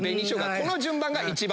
この順番が一番。